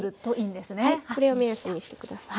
これを目安にしてください。